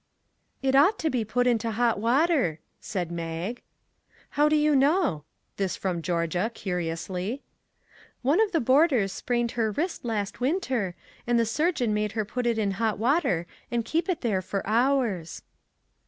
" It ought to be put into hot water," said Mag. " How do you know ?" This from Georgia, curiously. 241 MAG AND MARGARET " One of the boarders sprained her wrist last winter, and the surgeon made her put it in hot water and keep it there for hours."